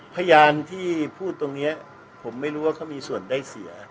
พยานที่พูดตรงนี้ผมไม่รู้ว่าเขามีส่วนได้เสีย